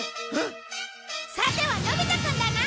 さてはのび太くんだな？